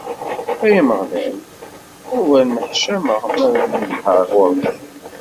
Ay Ameɣlal, awer nneḥcameɣ mi ara nedheɣ ɣur-k.